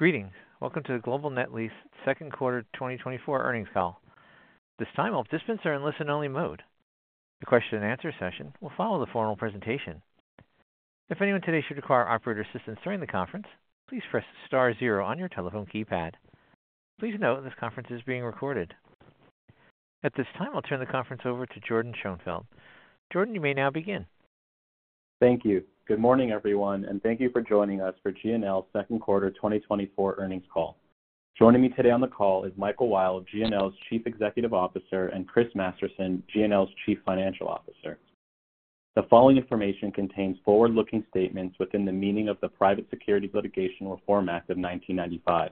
Greetings. Welcome to the Global Net Lease second quarter 2024 earnings call. This time all participants are in listen-only mode. The question-and-answer session will follow the formal presentation. If anyone today should require operator assistance during the conference, please press star zero on your telephone keypad. Please note this conference is being recorded. At this time, I'll turn the conference over to Jordyn Schoenfeld. Jordyn, you may now begin. Thank you. Good morning, everyone, and thank you for joining us for GNL's second quarter 2024 earnings call. Joining me today on the call is Michael Weil, GNL's Chief Executive Officer, and Chris Masterson, GNL's Chief Financial Officer. The following information contains forward-looking statements within the meaning of the Private Securities Litigation Reform Act of 1995.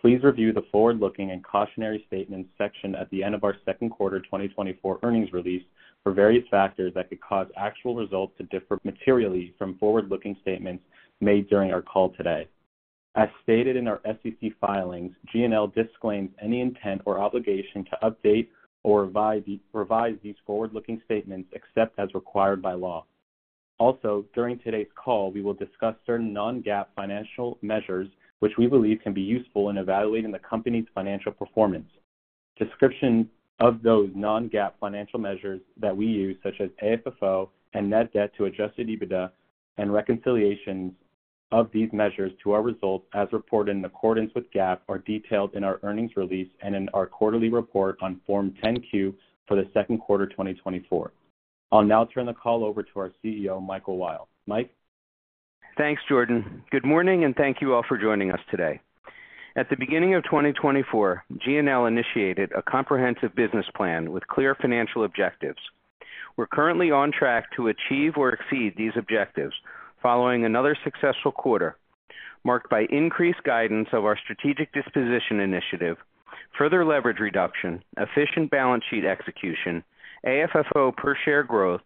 Please review the forward-looking and cautionary statements section at the end of our second quarter 2024 earnings release for various factors that could cause actual results to differ materially from forward-looking statements made during our call today. As stated in our SEC filings, GNL disclaims any intent or obligation to update or revise these forward-looking statements except as required by law. Also, during today's call, we will discuss certain non-GAAP financial measures which we believe can be useful in evaluating the company's financial performance. Description of those non-GAAP financial measures that we use, such as AFFO and net debt to Adjusted EBITDA and reconciliation of these measures to our results as reported in accordance with GAAP are detailed in our earnings release and in our quarterly report on Form 10-Q for the second quarter 2024. I'll now turn the call over to our CEO, Michael Weil. Mike. Thanks, Jordyn. Good morning, and thank you all for joining us today. At the beginning of 2024, GNL initiated a comprehensive business plan with clear financial objectives. We're currently on track to achieve or exceed these objectives following another successful quarter marked by increased guidance of our strategic disposition initiative, further leverage reduction, efficient balance sheet execution, AFFO per share growth,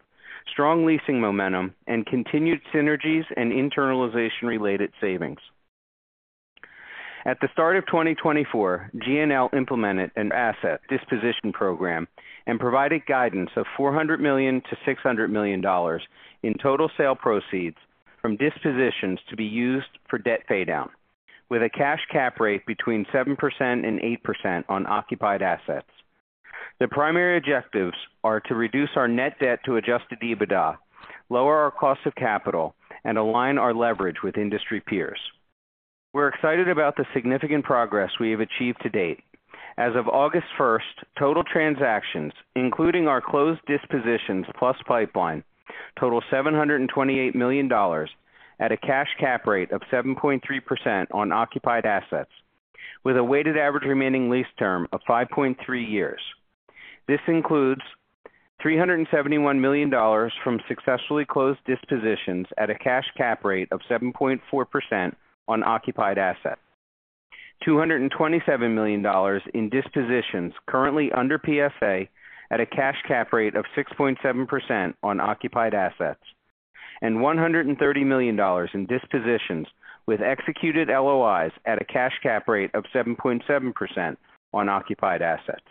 strong leasing momentum, and continued synergies and internalization-related savings. At the start of 2024, GNL implemented an asset disposition program and provided guidance of $400 million-$600 million in total sale proceeds from dispositions to be used for debt paydown, with a cash cap rate between 7%-8% on occupied assets. The primary objectives are to reduce our net debt to Adjusted EBITDA, lower our cost of capital, and align our leverage with industry peers. We're excited about the significant progress we have achieved to date. As of August 1st, total transactions, including our closed dispositions plus pipeline, total $728 million at a cash cap rate of 7.3% on occupied assets, with a weighted average remaining lease term of 5.3 years. This includes $371 million from successfully closed dispositions at a cash cap rate of 7.4% on occupied assets, $227 million in dispositions currently under PSA at a cash cap rate of 6.7% on occupied assets, and $130 million in dispositions with executed LOIs at a cash cap rate of 7.7% on occupied assets.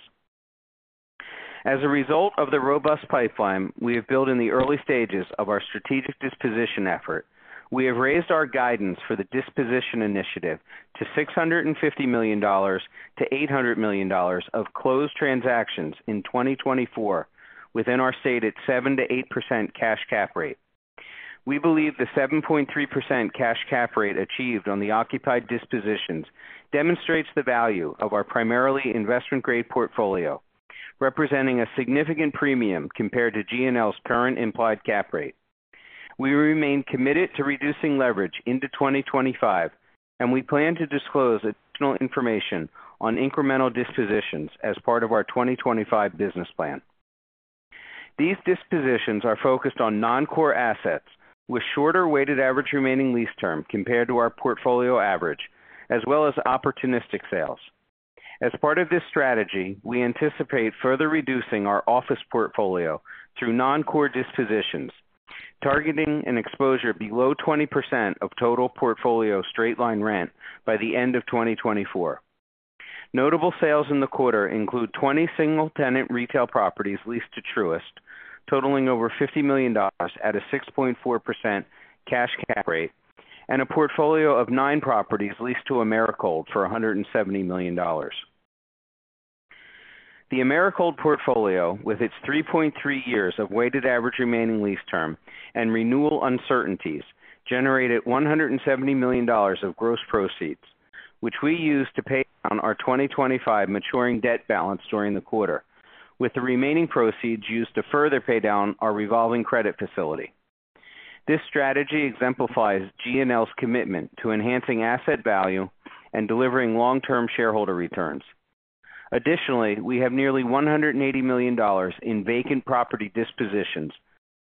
As a result of the robust pipeline we have built in the early stages of our strategic disposition effort, we have raised our guidance for the disposition initiative to $650 million-$800 million of closed transactions in 2024 within our stated 7%-8% cash cap rate. We believe the 7.3% cash cap rate achieved on the occupied dispositions demonstrates the value of our primarily Investment-Grade portfolio, representing a significant premium compared to GNL's current implied cap rate. We remain committed to reducing leverage into 2025, and we plan to disclose additional information on incremental dispositions as part of our 2025 business plan. These dispositions are focused on non-core assets with shorter weighted average remaining lease term compared to our portfolio average, as well as opportunistic sales. As part of this strategy, we anticipate further reducing our office portfolio through non-core dispositions, targeting an exposure below 20% of total portfolio straight-line rent by the end of 2024. Notable sales in the quarter include 20 single-tenant retail properties leased to Truist, totaling over $50 million at a 6.4% cash cap rate, and a portfolio of nine properties leased to Americold for $170 million. The Americold portfolio, with its 3.3 years of weighted average remaining lease term and renewal uncertainties, generated $170 million of gross proceeds, which we used to pay down our 2025 maturing debt balance during the quarter, with the remaining proceeds used to further pay down our revolving credit facility. This strategy exemplifies GNL's commitment to enhancing asset value and delivering long-term shareholder returns. Additionally, we have nearly $180 million in vacant property dispositions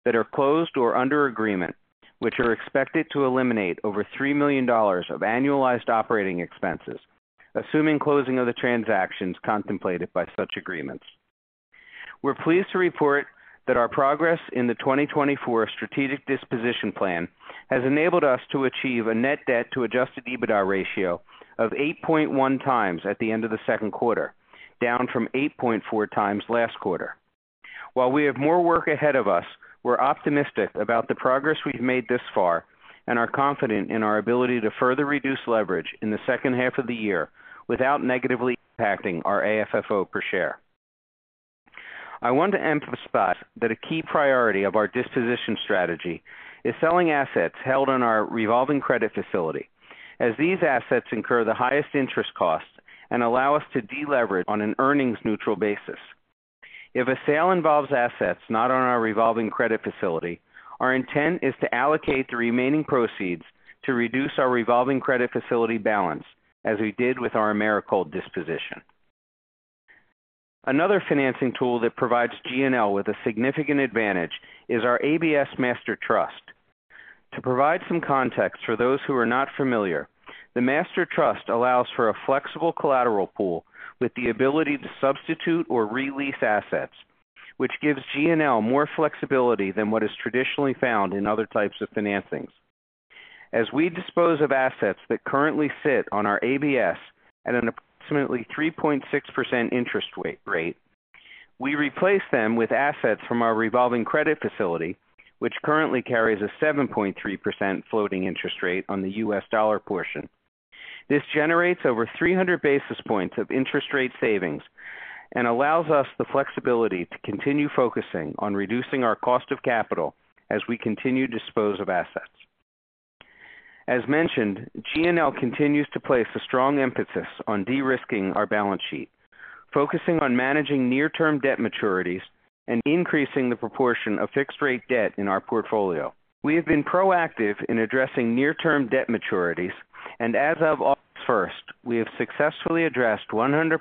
that are closed or under agreement, which are expected to eliminate over $3 million of annualized operating expenses, assuming closing of the transactions contemplated by such agreements. We're pleased to report that our progress in the 2024 strategic disposition plan has enabled us to achieve a net debt to Adjusted EBITDA ratio of 8.1 times at the end of the second quarter, down from 8.4 times last quarter. While we have more work ahead of us, we're optimistic about the progress we've made this far and are confident in our ability to further reduce leverage in the second half of the year without negatively impacting our AFFO per share. I want to emphasize that a key priority of our disposition strategy is selling assets held on our revolving credit facility, as these assets incur the highest interest costs and allow us to deleverage on an earnings-neutral basis. If a sale involves assets not on our revolving credit facility, our intent is to allocate the remaining proceeds to reduce our revolving credit facility balance, as we did with our Americold disposition. Another financing tool that provides GNL with a significant advantage is our ABS Master Trust. To provide some context for those who are not familiar, the Master Trust allows for a flexible collateral pool with the ability to substitute or re-lease assets, which gives GNL more flexibility than what is traditionally found in other types of financings. As we dispose of assets that currently sit on our ABS at an approximately 3.6% interest rate, we replace them with assets from our revolving credit facility, which currently carries a 7.3% floating interest rate on the U.S. dollar portion. This generates over 300 basis points of interest rate savings and allows us the flexibility to continue focusing on reducing our cost of capital as we continue to dispose of assets. As mentioned, GNL continues to place a strong emphasis on de-risking our balance sheet, focusing on managing near-term debt maturities and increasing the proportion of fixed-rate debt in our portfolio. We have been proactive in addressing near-term debt maturities, and as of August 1st, we have successfully addressed 100%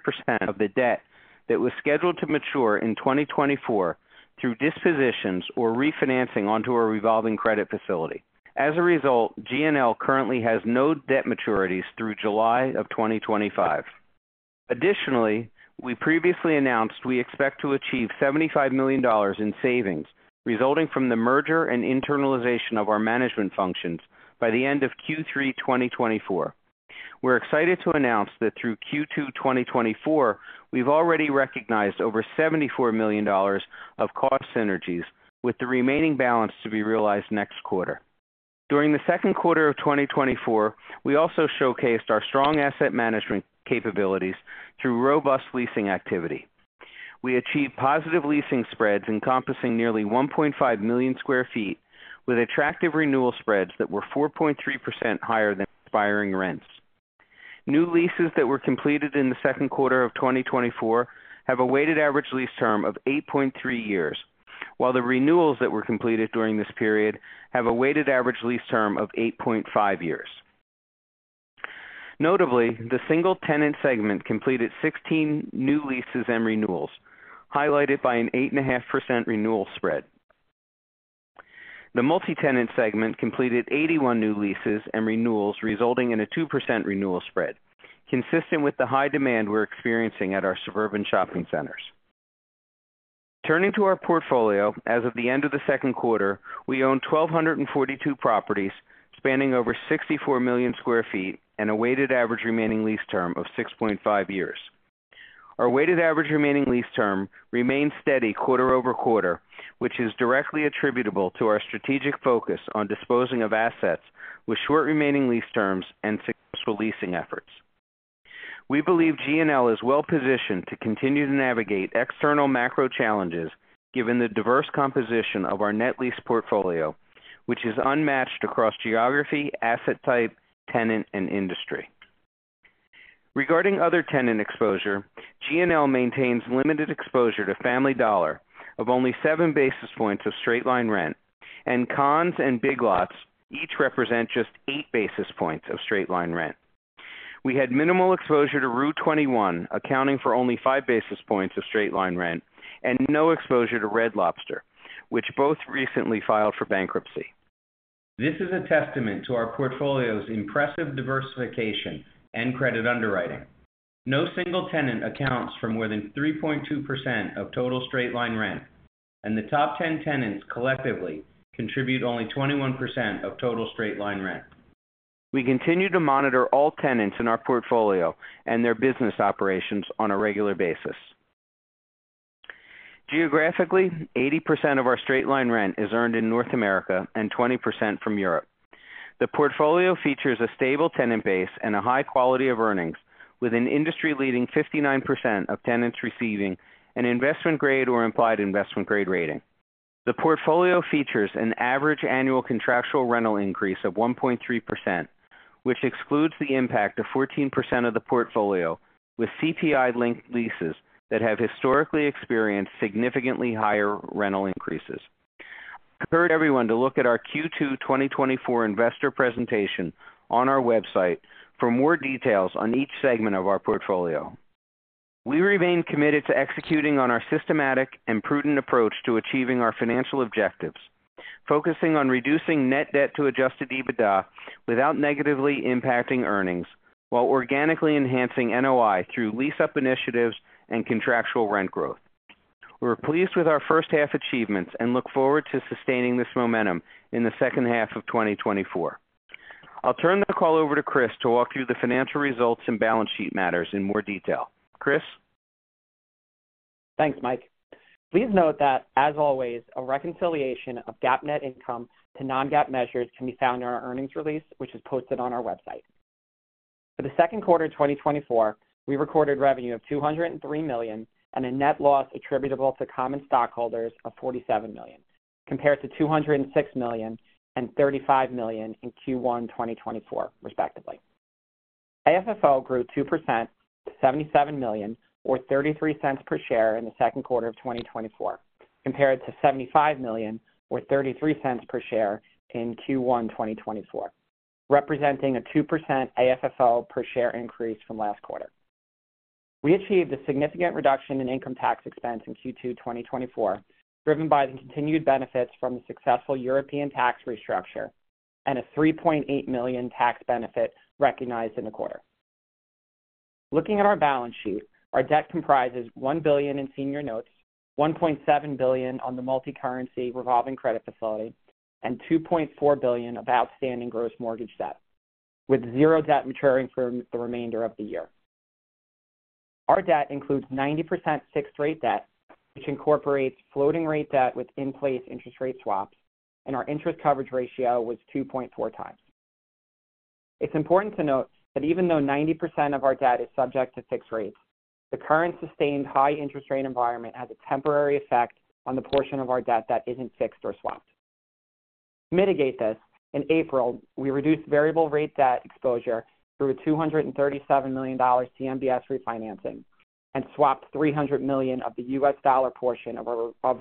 of the debt that was scheduled to mature in 2024 through dispositions or refinancing onto our revolving credit facility. As a result, GNL currently has no debt maturities through July of 2025. Additionally, we previously announced we expect to achieve $75 million in savings resulting from the merger and internalization of our management functions by the end of Q3 2024. We're excited to announce that through Q2 2024, we've already recognized over $74 million of cost synergies, with the remaining balance to be realized next quarter. During the second quarter of 2024, we also showcased our strong asset management capabilities through robust leasing activity. We achieved positive leasing spreads encompassing nearly 1.5 million sq ft, with attractive renewal spreads that were 4.3% higher than expiring rents. New leases that were completed in the second quarter of 2024 have a weighted average lease term of 8.3 years, while the renewals that were completed during this period have a weighted average lease term of 8.5 years. Notably, the single-tenant segment completed 16 new leases and renewals, highlighted by an 8.5% renewal spread. The multi-tenant segment completed 81 new leases and renewals, resulting in a 2% renewal spread, consistent with the high demand we're experiencing at our suburban shopping centers. Turning to our portfolio, as of the end of the second quarter, we own 1,242 properties spanning over 64 million sq ft and a weighted average remaining lease term of 6.5 years. Our weighted average remaining lease term remains steady quarter-over-quarter, which is directly attributable to our strategic focus on disposing of assets with short remaining lease terms and successful leasing efforts. We believe GNL is well-positioned to continue to navigate external macro challenges given the diverse composition of our net lease portfolio, which is unmatched across geography, asset type, tenant, and industry. Regarding other tenant exposure, GNL maintains limited exposure to Family Dollar of only 7 basis points of straight-line rent, and Conn's and Big Lots each represent just 8 basis points of straight-line rent. We had minimal exposure to rue21, accounting for only 5 basis points of straight-line rent, and no exposure to Red Lobster, which both recently filed for bankruptcy. This is a testament to our portfolio's impressive diversification and credit underwriting. No single tenant accounts for more than 3.2% of total straight-line rent, and the top 10 tenants collectively contribute only 21% of total straight-line rent. We continue to monitor all tenants in our portfolio and their business operations on a regular basis. Geographically, 80% of our straight-line rent is earned in North America and 20% from Europe. The portfolio features a stable tenant base and a high quality of earnings, with an industry-leading 59% of tenants receiving an investment-grade or implied investment-grade rating. The portfolio features an average annual contractual rental increase of 1.3%, which excludes the impact of 14% of the portfolio, with CPI-linked leases that have historically experienced significantly higher rental increases. I encourage everyone to look at our Q2 2024 investor presentation on our website for more details on each segment of our portfolio. We remain committed to executing on our systematic and prudent approach to achieving our financial objectives, focusing on reducing net debt to adjusted EBITDA without negatively impacting earnings, while organically enhancing NOI through lease-up initiatives and contractual rent growth. We're pleased with our first-half achievements and look forward to sustaining this momentum in the second half of 2024. I'll turn the call over to Chris to walk through the financial results and balance sheet matters in more detail. Chris? Thanks, Mike. Please note that, as always, a reconciliation of GAAP net income to non-GAAP measures can be found in our earnings release, which is posted on our website. For the second quarter of 2024, we recorded revenue of $203 million and a net loss attributable to common stockholders of $47 million, compared to $206 million and $35 million in Q1 2024, respectively. AFFO grew 2% to $77 million, or $0.33 per share in the second quarter of 2024, compared to $75 million, or $0.33 per share in Q1 2024, representing a 2% AFFO per share increase from last quarter. We achieved a significant reduction in income tax expense in Q2 2024, driven by the continued benefits from the successful European tax restructure and a $3.8 million tax benefit recognized in the quarter. Looking at our balance sheet, our debt comprises $1 billion in senior notes, $1.7 billion on the multi-currency revolving credit facility, and $2.4 billion of outstanding gross mortgage debt, with zero debt maturing for the remainder of the year. Our debt includes 90% fixed-rate debt, which incorporates floating-rate debt with in-place interest rate swaps, and our interest coverage ratio was 2.4 times. It's important to note that even though 90% of our debt is subject to fixed rates, the current sustained high-interest rate environment has a temporary effect on the portion of our debt that isn't fixed or swapped. To mitigate this, in April, we reduced variable-rate debt exposure through a $237 million CMBS refinancing and swapped $300 million of the US dollar portion of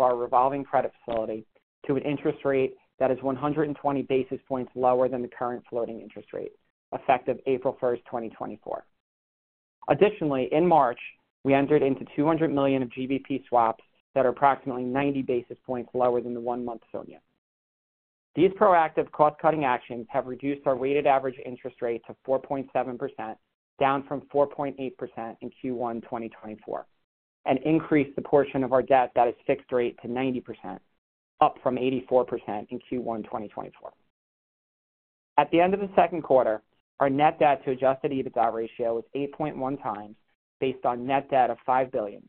our revolving credit facility to an interest rate that is 120 basis points lower than the current floating interest rate effective April 1st, 2024. Additionally, in March, we entered into 200 million GBP of swaps that are approximately 90 basis points lower than the one-month SONIA. These proactive cost-cutting actions have reduced our weighted average interest rate to 4.7%, down from 4.8% in Q1 2024, and increased the portion of our debt that is fixed-rate to 90%, up from 84% in Q1 2024. At the end of the second quarter, our net debt to Adjusted EBITDA ratio was 8.1x, based on net debt of $5 billion,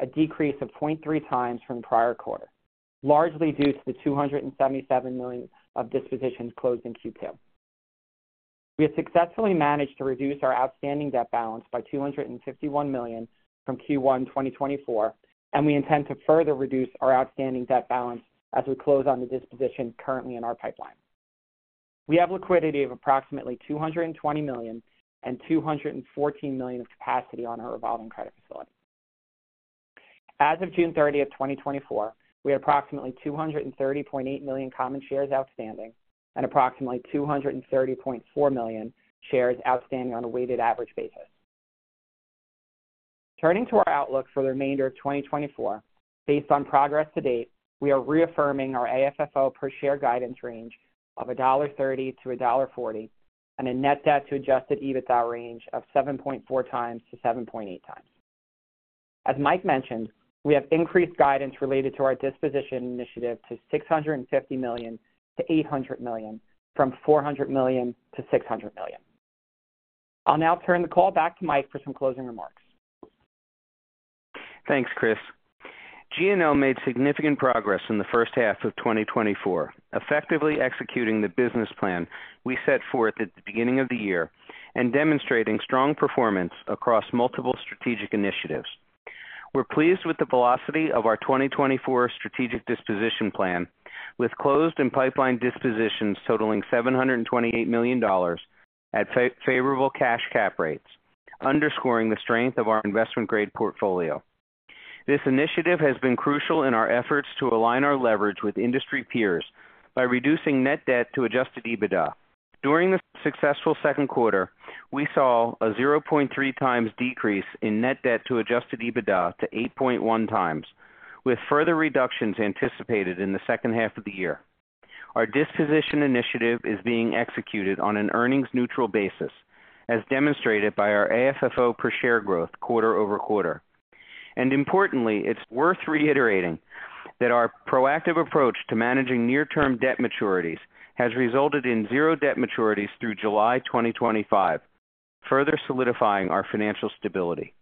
a decrease of 0.3x from the prior quarter, largely due to the $277 million of dispositions closed in Q2. We have successfully managed to reduce our outstanding debt balance by $251 million from Q1 2024, and we intend to further reduce our outstanding debt balance as we close on the disposition currently in our pipeline. We have liquidity of approximately $220 million and $214 million of capacity on our revolving credit facility. As of June 30th, 2024, we had approximately 230.8 million common shares outstanding and approximately 230.4 million shares outstanding on a weighted average basis. Turning to our outlook for the remainder of 2024, based on progress to date, we are reaffirming our AFFO per share guidance range of $1.30-$1.40 and a net debt to adjusted EBITDA range of 7.4x-7.8x. As Mike mentioned, we have increased guidance related to our disposition initiative to $650 million-$800 million, from $400 million-$600 million. I'll now turn the call back to Mike for some closing remarks. Thanks, Chris. GNL made significant progress in the first half of 2024, effectively executing the business plan we set forth at the beginning of the year and demonstrating strong performance across multiple strategic initiatives. We're pleased with the velocity of our 2024 strategic disposition plan, with closed and pipeline dispositions totaling $728 million at favorable cash cap rates, underscoring the strength of our investment-grade portfolio. This initiative has been crucial in our efforts to align our leverage with industry peers by reducing net debt to Adjusted EBITDA. During the successful second quarter, we saw a 0.3x decrease in net debt to Adjusted EBITDA to 8.1x, with further reductions anticipated in the second half of the year. Our disposition initiative is being executed on an earnings-neutral basis, as demonstrated by our AFFO per share growth quarter-over-quarter. Importantly, it's worth reiterating that our proactive approach to managing near-term debt maturities has resulted in zero debt maturities through July 2025, further solidifying our financial stability.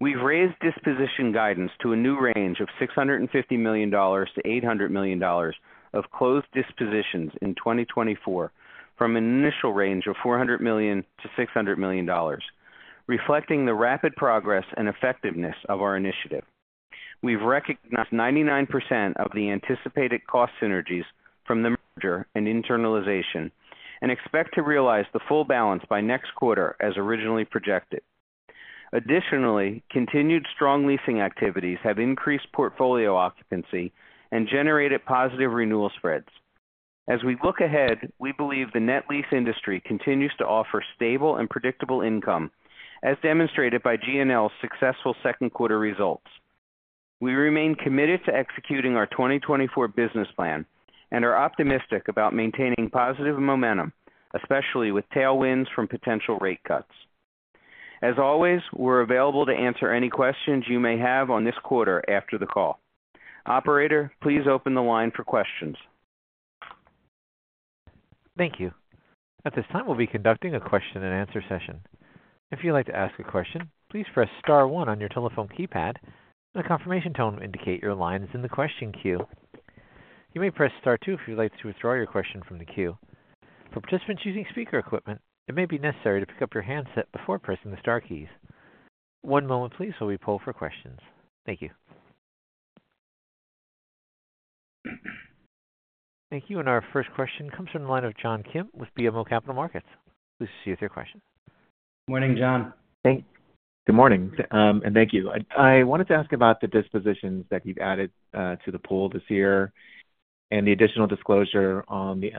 We've raised disposition guidance to a new range of $650 million-$800 million of closed dispositions in 2024, from an initial range of $400 million-$600 million, reflecting the rapid progress and effectiveness of our initiative. We've recognized 99% of the anticipated cost synergies from the merger and internalization and expect to realize the full balance by next quarter, as originally projected. Additionally, continued strong leasing activities have increased portfolio occupancy and generated positive renewal spreads. As we look ahead, we believe the net lease industry continues to offer stable and predictable income, as demonstrated by GNL's successful second quarter results. We remain committed to executing our 2024 business plan and are optimistic about maintaining positive momentum, especially with tailwinds from potential rate cuts. As always, we're available to answer any questions you may have on this quarter after the call. Operator, please open the line for questions. Thank you. At this time, we'll be conducting a question-and-answer session. If you'd like to ask a question, please press Star 1 on your telephone keypad, and a confirmation tone will indicate your line is in the question queue. You may press Star 2 if you'd like to withdraw your question from the queue. For participants using speaker equipment, it may be necessary to pick up your handset before pressing the Star keys. One moment, please, while we pull for questions. Thank you. Thank you. And our first question comes from the line of John Kim with BMO Capital Markets. Please proceed with your question. Good morning, John. Thanks. Good morning, and thank you. I wanted to ask about the dispositions that you've added to the pool this year and the additional disclosure on the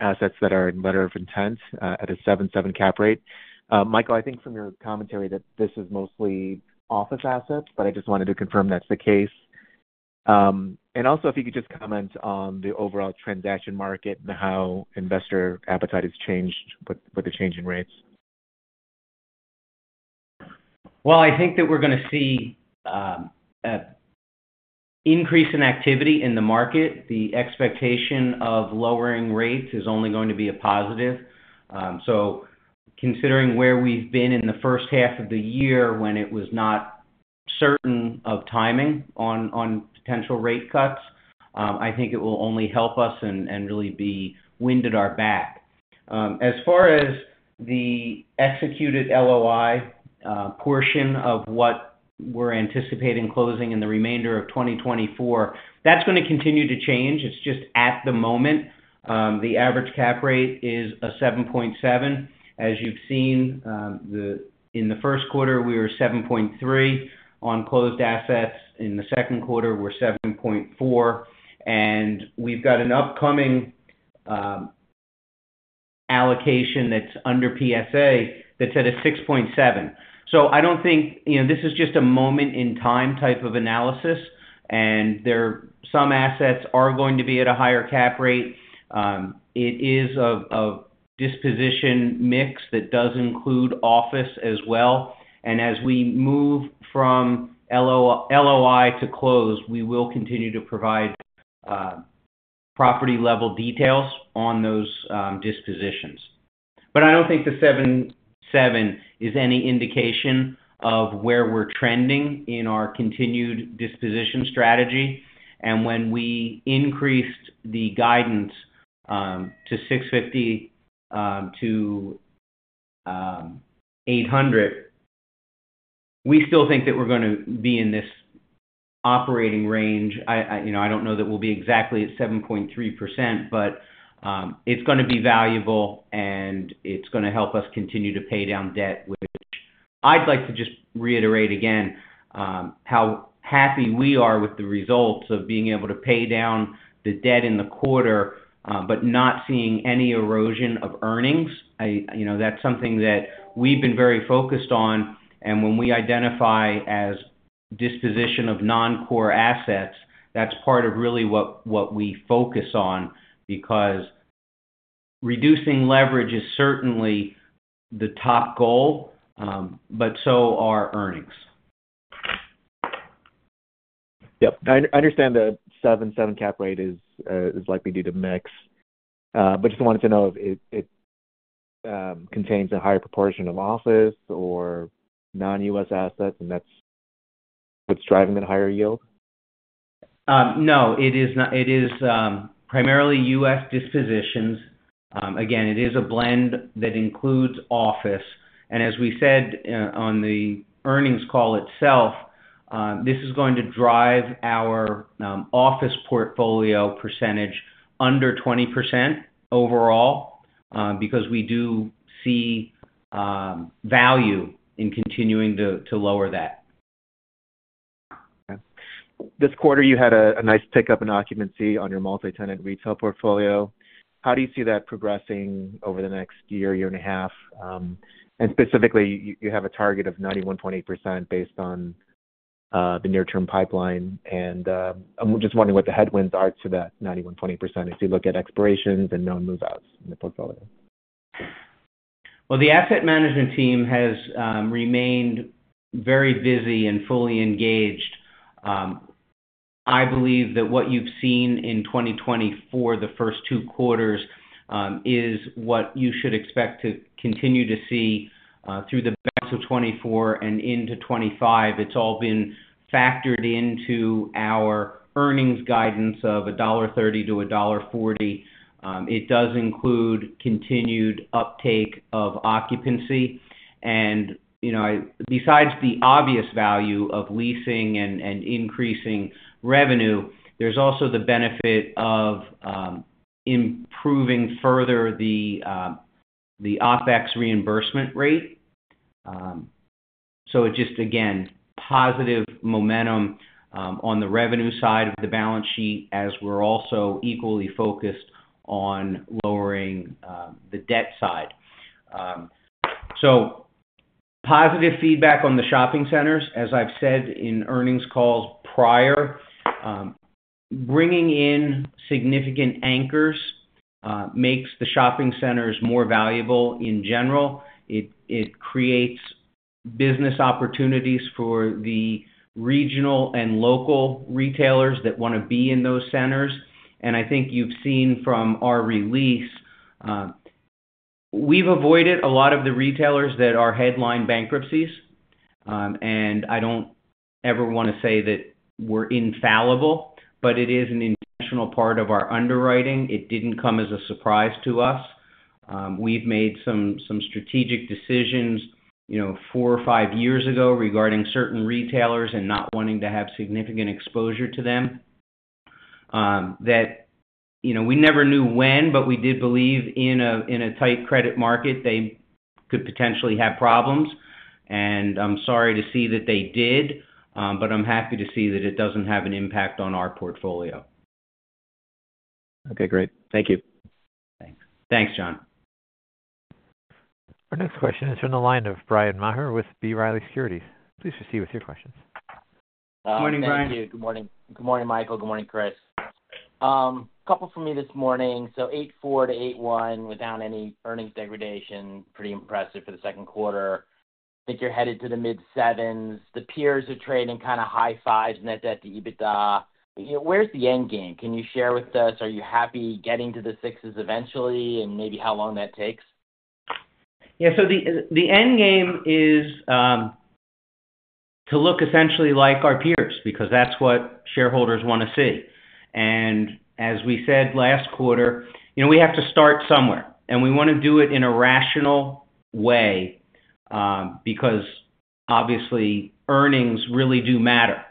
assets that are in letter of intent at a 7.7 cap rate. Michael, I think from your commentary that this is mostly office assets, but I just wanted to confirm that's the case. And also, if you could just comment on the overall transaction market and how investor appetite has changed with the change in rates. Well, I think that we're going to see an increase in activity in the market. The expectation of lowering rates is only going to be a positive. So considering where we've been in the first half of the year when it was not certain of timing on potential rate cuts, I think it will only help us and really be wind at our back. As far as the executed LOI portion of what we're anticipating closing in the remainder of 2024, that's going to continue to change. It's just at the moment, the average cap rate is 7.7%. As you've seen, in the first quarter, we were 7.3 on closed assets. In the second quarter, we're 7.4. And we've got an upcoming allocation that's under PSA that's at a 6.7. So I don't think this is just a moment-in-time type of analysis, and some assets are going to be at a higher cap rate. It is a disposition mix that does include office as well. And as we move from LOI to close, we will continue to provide property-level details on those dispositions. But I don't think the 7.7 is any indication of where we're trending in our continued disposition strategy. And when we increased the guidance to $650 million-$800 million, we still think that we're going to be in this operating range. I don't know that we'll be exactly at 7.3%, but it's going to be valuable, and it's going to help us continue to pay down debt, which I'd like to just reiterate again how happy we are with the results of being able to pay down the debt in the quarter, but not seeing any erosion of earnings. That's something that we've been very focused on. When we identify a disposition of non-core assets, that's part of really what we focus on, because reducing leverage is certainly the top goal, but so are earnings. Yep. I understand the 7.7% cap rate is likely due to mix, but just wanted to know if it contains a higher proportion of office or non-U.S. assets, and that's what's driving the higher yield? No, it is primarily U.S. dispositions. Again, it is a blend that includes office. As we said on the earnings call itself, this is going to drive our office portfolio percentage under 20% overall, because we do see value in continuing to lower that. This quarter, you had a nice pickup in occupancy on your multi-tenant retail portfolio. How do you see that progressing over the next year, year and a half? Specifically, you have a target of 91.8% based on the near-term pipeline. And I'm just wondering what the headwinds are to that 91.8% as you look at expirations and non-move-outs in the portfolio. Well, the asset management team has remained very busy and fully engaged. I believe that what you've seen in 2024, the first two quarters, is what you should expect to continue to see through the rest of 2024 and into 2025. It's all been factored into our earnings guidance of $1.30-$1.40. It does include continued uptake of occupancy. Besides the obvious value of leasing and increasing revenue, there's also the benefit of improving further the OpEx reimbursement rate. It's just, again, positive momentum on the revenue side of the balance sheet as we're also equally focused on lowering the debt side. Positive feedback on the shopping centers, as I've said in earnings calls prior. Bringing in significant anchors makes the shopping centers more valuable in general. It creates business opportunities for the regional and local retailers that want to be in those centers. I think you've seen from our release, we've avoided a lot of the retailers that are headline bankruptcies. I don't ever want to say that we're infallible, but it is an intentional part of our underwriting. It didn't come as a surprise to us. We've made some strategic decisions four or five years ago regarding certain retailers and not wanting to have significant exposure to them. We never knew when, but we did believe in a tight credit market they could potentially have problems. And I'm sorry to see that they did, but I'm happy to see that it doesn't have an impact on our portfolio. Okay, great. Thank you. Thanks. Thanks, John. Our next question is from the line of Bryan Maher with B. Riley Securities. Please proceed with your questions. Good morning, Bryan. Thank you. Good morning. Good morning, Michael. Good morning, Chris. A couple for me this morning. So 8.4-8.1 without any earnings degradation. Pretty impressive for the second quarter. I think you're headed to the mid-sevens. The peers are trading kind of high 5s net debt to EBITDA. Where's the end game? Can you share with us? Are you happy getting to the sixes eventually and maybe how long that takes? Yeah. So the end game is to look essentially like our peers, because that's what shareholders want to see. And as we said last quarter, we have to start somewhere. And we want to do it in a rational way, because obviously earnings really do matter.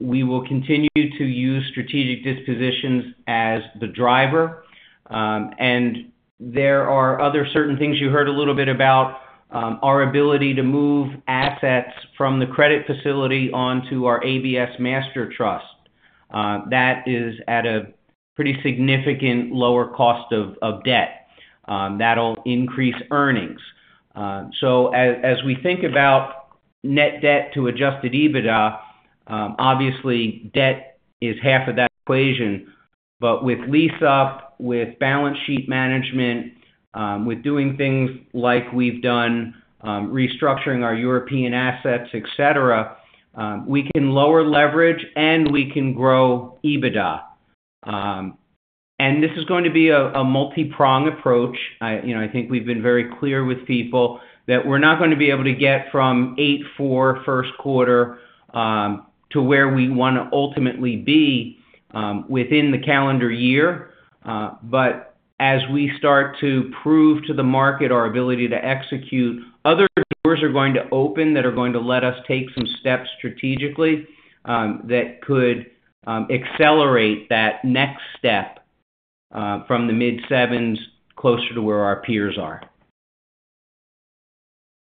We will continue to use strategic dispositions as the driver. And there are other certain things you heard a little bit about: our ability to move assets from the credit facility onto our ABS Master Trust. That is at a pretty significant lower cost of debt. That'll increase earnings. So as we think about net debt to Adjusted EBITDA, obviously debt is half of that equation. But with lease-up, with balance sheet management, with doing things like we've done, restructuring our European assets, etc., we can lower leverage and we can grow EBITDA. And this is going to be a multi-prong approach. I think we've been very clear with people that we're not going to be able to get from 8.4 first quarter to where we want to ultimately be within the calendar year. But as we start to prove to the market our ability to execute, other doors are going to open that are going to let us take some steps strategically that could accelerate that next step from the mid-sevens closer to where our peers are.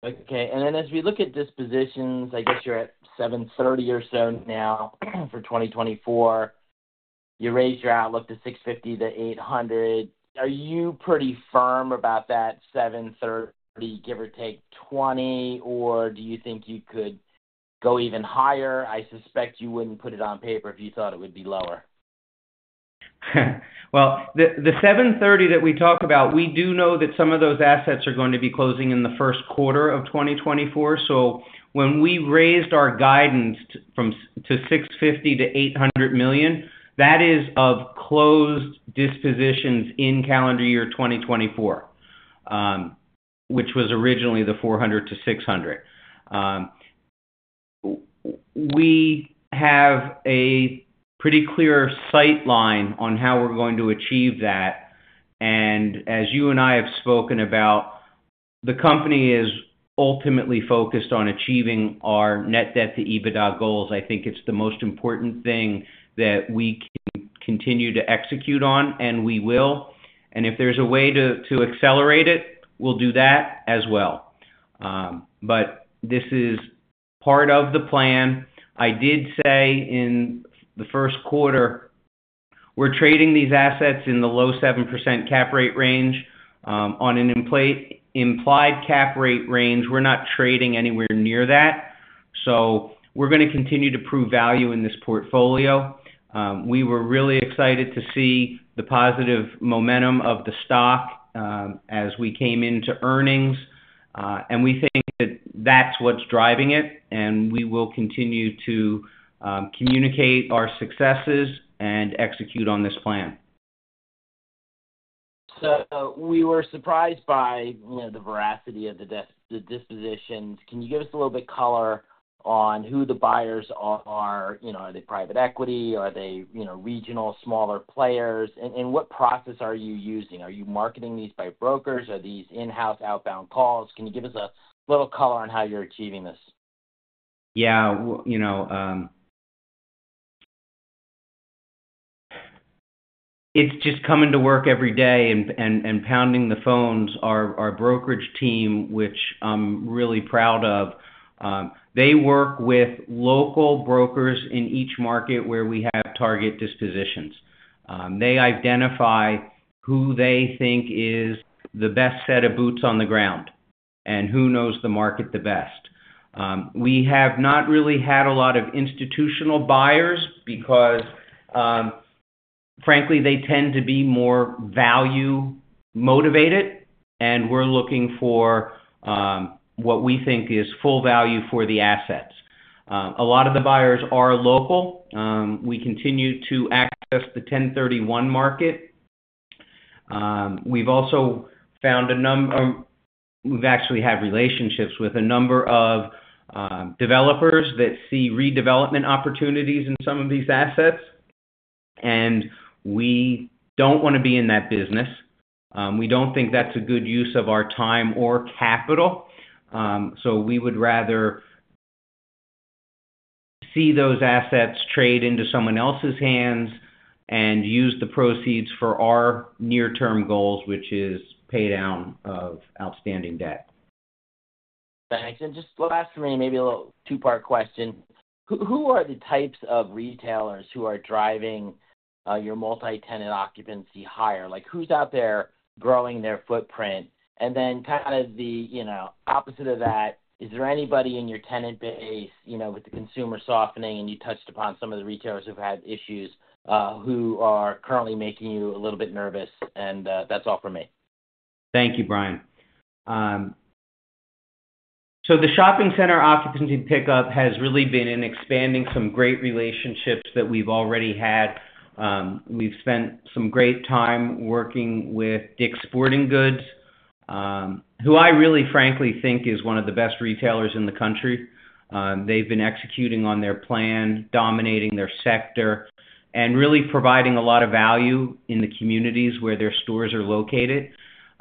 Okay. And then as we look at dispositions, I guess you're at 7.30 or so now for 2024. You raised your outlook to $650-$800. Are you pretty firm about that 7.30, give or take 20, or do you think you could go even higher? I suspect you wouldn't put it on paper if you thought it would be lower. Well, the 7.30 that we talk about, we do know that some of those assets are going to be closing in the first quarter of 2024. So when we raised our guidance to $650 million-$800 million, that is of closed dispositions in calendar year 2024, which was originally the $400 million-$600 million. We have a pretty clear sightline on how we're going to achieve that. And as you and I have spoken about, the company is ultimately focused on achieving our net debt to EBITDA goals. I think it's the most important thing that we continue to execute on, and we will. If there's a way to accelerate it, we'll do that as well. This is part of the plan. I did say in the first quarter, we're trading these assets in the low 7% cap rate range. On an implied cap rate range, we're not trading anywhere near that. We're going to continue to prove value in this portfolio. We were really excited to see the positive momentum of the stock as we came into earnings. We think that that's what's driving it. We will continue to communicate our successes and execute on this plan. We were surprised by the velocity of the dispositions. Can you give us a little bit of color on who the buyers are? Are they private equity? Are they regional smaller players? And what process are you using? Are you marketing these by brokers? Are these in-house, outbound calls? Can you give us a little color on how you're achieving this? Yeah. It's just coming to work every day and pounding the phones. Our brokerage team, which I'm really proud of, they work with local brokers in each market where we have target dispositions. They identify who they think is the best set of boots on the ground and who knows the market the best. We have not really had a lot of institutional buyers because, frankly, they tend to be more value-motivated, and we're looking for what we think is full value for the assets. A lot of the buyers are local. We continue to access the 1031 market. We've also found a number we've actually had relationships with a number of developers that see redevelopment opportunities in some of these assets. And we don't want to be in that business. We don't think that's a good use of our time or capital. So we would rather see those assets trade into someone else's hands and use the proceeds for our near-term goals, which is pay down of outstanding debt. Thanks. And just last for me, maybe a little two-part question. Who are the types of retailers who are driving your multi-tenant occupancy higher? Who's out there growing their footprint? And then kind of the opposite of that, is there anybody in your tenant base with the consumer softening? And you touched upon some of the retailers who've had issues who are currently making you a little bit nervous. And that's all for me. Thank you, Bryan. So the shopping center occupancy pickup has really been in expanding some great relationships that we've already had. We've spent some great time working with Dick's Sporting Goods, who I really, frankly, think is one of the best retailers in the country. They've been executing on their plan, dominating their sector, and really providing a lot of value in the communities where their stores are located.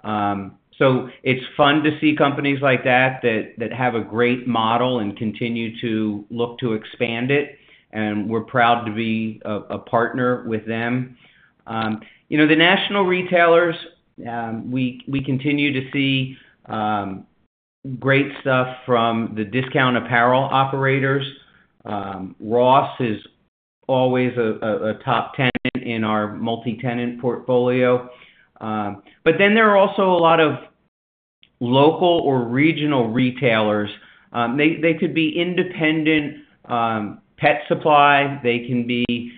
So it's fun to see companies like that that have a great model and continue to look to expand it. And we're proud to be a partner with them. The national retailers, we continue to see great stuff from the discount apparel operators. Ross is always a top tenant in our multi-tenant portfolio. But then there are also a lot of local or regional retailers. They could be independent pet supply. They can be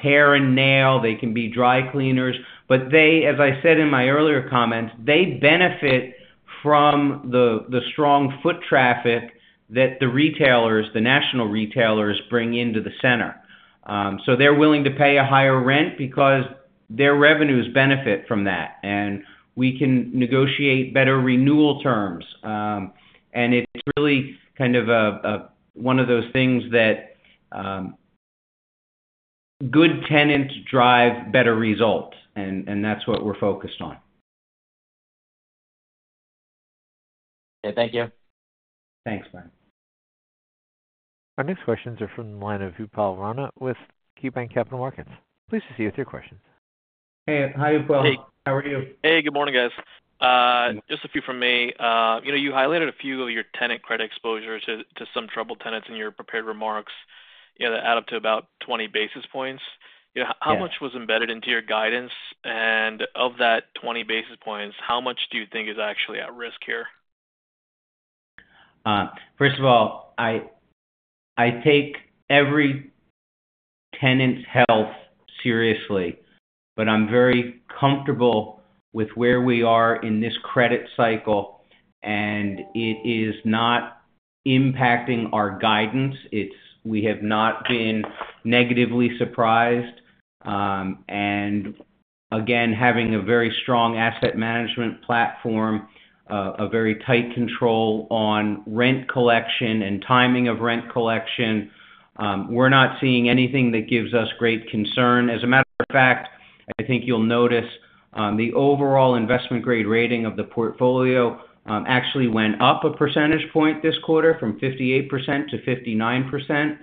hair and nail. They can be dry cleaners. But they, as I said in my earlier comments, they benefit from the strong foot traffic that the retailers, the national retailers, bring into the center. So they're willing to pay a higher rent because their revenues benefit from that. And we can negotiate better renewal terms. And it's really kind of one of those things that good tenants drive better results. And that's what we're focused on. Okay. Thank you. Thanks, Bryan. Our next questions are from the line of Upal Rana with KeyBanc Capital Markets. Please proceed with your questions. Hey. Hi, Upal. How are you? Hey. Good morning, guys. Just a few from me. You highlighted a few of your tenant credit exposures to some troubled tenants in your prepared remarks. You had to add up to about 20 basis points. How much was embedded into your guidance? Of that 20 basis points, how much do you think is actually at risk here? First of all, I take every tenant's health seriously, but I'm very comfortable with where we are in this credit cycle. It is not impacting our guidance. We have not been negatively surprised. Again, having a very strong asset management platform, a very tight control on rent collection and timing of rent collection, we're not seeing anything that gives us great concern. As a matter of fact, I think you'll notice the overall Investment-Grade rating of the portfolio actually went up a percentage point this quarter from 58%-59%.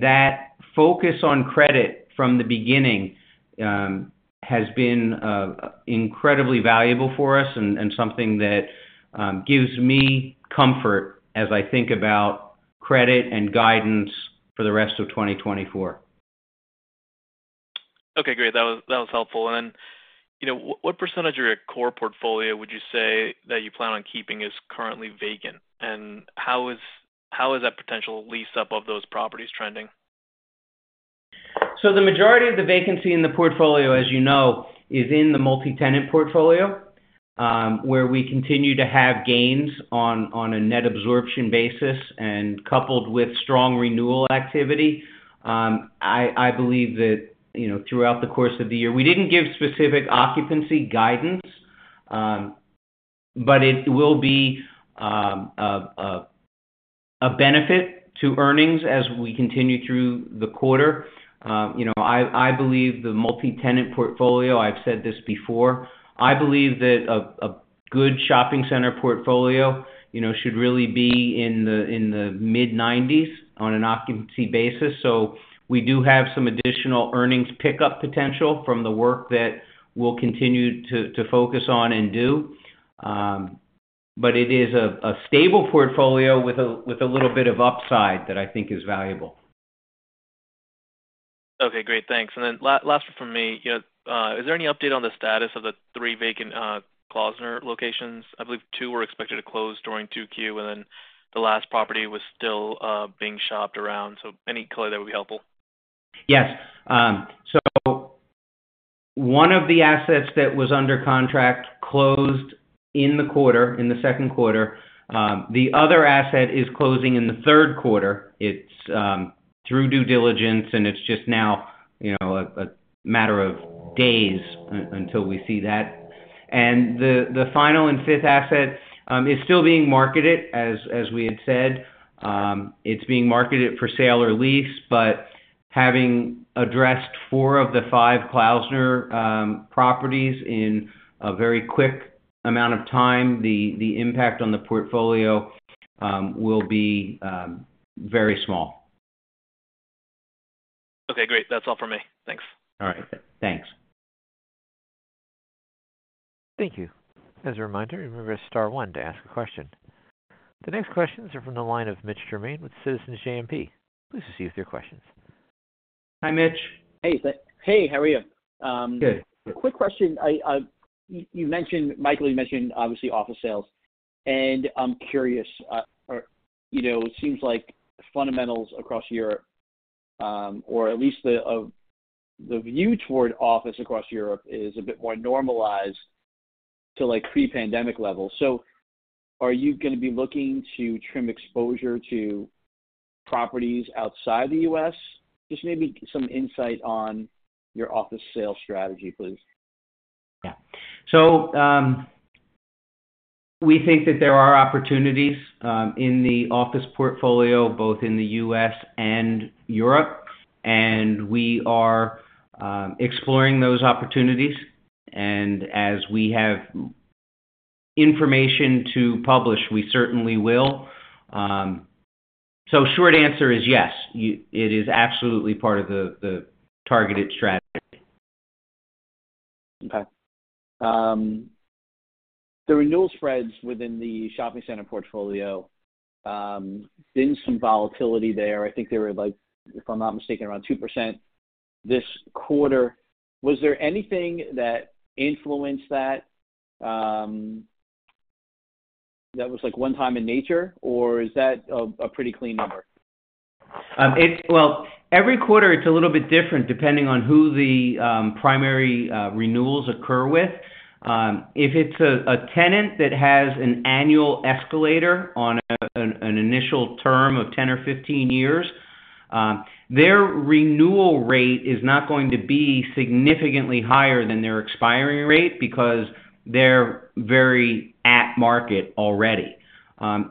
That focus on credit from the beginning has been incredibly valuable for us and something that gives me comfort as I think about credit and guidance for the rest of 2024. Okay, great. That was helpful. And then what percentage of your core portfolio would you say that you plan on keeping is currently vacant? And how is that potential lease-up of those properties trending? So the majority of the vacancy in the portfolio, as you know, is in the multi-tenant portfolio where we continue to have gains on a net absorption basis and coupled with strong renewal activity. I believe that throughout the course of the year, we didn't give specific occupancy guidance, but it will be a benefit to earnings as we continue through the quarter. I believe the multi-tenant portfolio, I've said this before, I believe that a good shopping center portfolio should really be in the mid-90s% on an occupancy basis. So we do have some additional earnings pickup potential from the work that we'll continue to focus on and do. But it is a stable portfolio with a little bit of upside that I think is valuable. Okay, great. Thanks. And then last for me, is there any update on the status of the three vacant Klausner locations? I believe two were expected to close during 2Q, and then the last property was still being shopped around. So any color that would be helpful? Yes. So one of the assets that was under contract closed in the quarter, in the second quarter. The other asset is closing in the third quarter. It's through due diligence, and it's just now a matter of days until we see that. And the final and fifth asset is still being marketed, as we had said. It's being marketed for sale or lease, but having addressed four of the five Klausner properties in a very quick amount of time, the impact on the portfolio will be very small. Okay, great. That's all for me. Thanks. All right. Thanks. Thank you. As a reminder, remember to star one to ask a question. The next questions are from the line of Mitch Germain with Citizens JMP. Please proceed with your questions. Hi, Mitch. Hey. Hey, how are you? Good. Quick question. Michael, you mentioned obviously office sales. And I'm curious, it seems like fundamentals across Europe, or at least the view toward office across Europe, is a bit more normalized to pre-pandemic levels. So are you going to be looking to trim exposure to properties outside the US? Just maybe some insight on your office sales strategy, please. Yeah. So we think that there are opportunities in the office portfolio, both in the U.S. and Europe. We are exploring those opportunities. As we have information to publish, we certainly will. So short answer is yes. It is absolutely part of the targeted strategy. Okay. The renewal spreads within the shopping center portfolio, been some volatility there. I think they were, if I'm not mistaken, around 2% this quarter. Was there anything that influenced that? That was one time in nature, or is that a pretty clean number? Well, every quarter, it's a little bit different depending on who the primary renewals occur with. If it's a tenant that has an annual escalator on an initial term of 10 or 15 years, their renewal rate is not going to be significantly higher than their expiry rate because they're very at market already.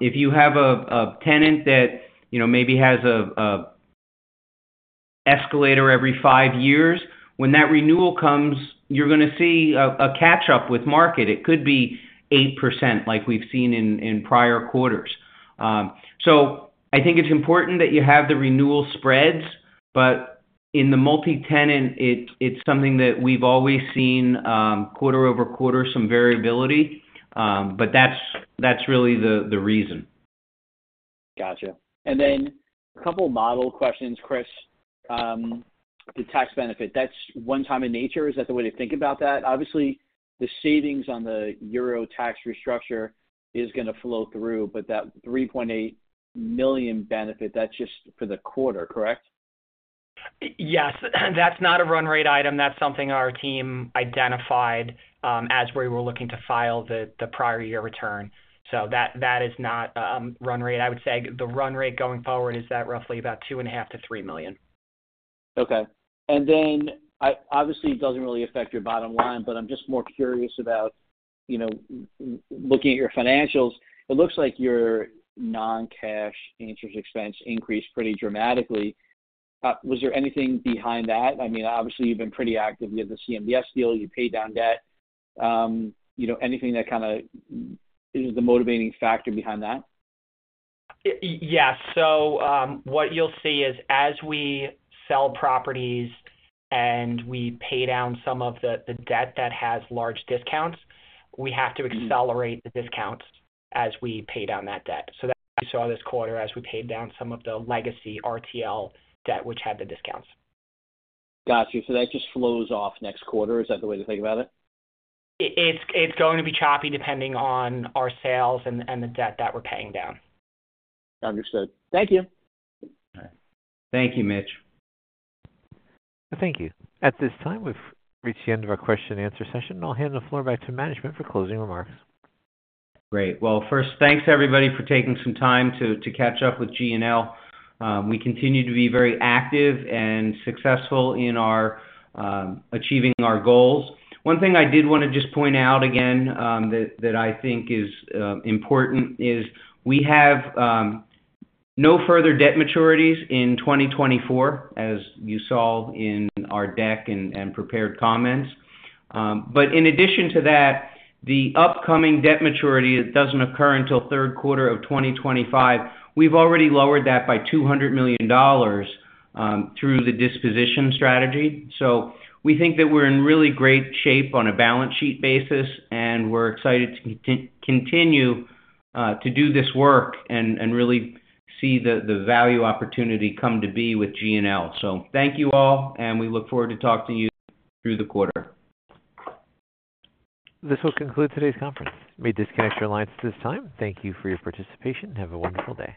If you have a tenant that maybe has an escalator every 5 years, when that renewal comes, you're going to see a catch-up with market. It could be 8% like we've seen in prior quarters. So I think it's important that you have the renewal spreads, but in the multi-tenant, it's something that we've always seen quarter-over-quarter, some variability. But that's really the reason. Gotcha. And then a couple of model questions, Chris. The tax benefit, that's one-time in nature. Is that the way to think about that? Obviously, the savings on the Euro tax restructure is going to flow through, but that $3.8 million benefit, that's just for the quarter, correct? Yes. That's not a run rate item. That's something our team identified as we were looking to file the prior year return. So that is not a run rate. I would say the run rate going forward is that roughly about $2.5 million-$3 million. Okay. And then obviously, it doesn't really affect your bottom line, but I'm just more curious about looking at your financials. It looks like your non-cash interest expense increased pretty dramatically. Was there anything behind that? I mean, obviously, you've been pretty active. You had the CMBS deal. You paid down debt. Anything that kind of is the motivating factor behind that? Yes. So what you'll see is as we sell properties and we pay down some of the debt that has large discounts, we have to accelerate the discounts as we pay down that debt. So that's what you saw this quarter as we paid down some of the legacy RTL debt, which had the discounts. Gotcha. So that just flows off next quarter. Is that the way to think about it? It's going to be choppy depending on our sales and the debt that we're paying down. Understood. Thank you. Thank you, Mitch. Thank you. At this time, we've reached the end of our question-and-answer session. I'll hand the floor back to management for closing remarks. Great. Well, first, thanks to everybody for taking some time to catch up with GNL. We continue to be very active and successful in achieving our goals. One thing I did want to just point out again that I think is important is we have no further debt maturities in 2024, as you saw in our deck and prepared comments. But in addition to that, the upcoming debt maturity doesn't occur until third quarter of 2025. We've already lowered that by $200 million through the disposition strategy. So we think that we're in really great shape on a balance sheet basis, and we're excited to continue to do this work and really see the value opportunity come to be with GNL. So thank you all, and we look forward to talking to you through the quarter. This will conclude today's conference. We disconnect your lines at this time. Thank you for your participation. Have a wonderful day.